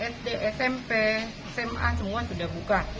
sd smp sma semua sudah buka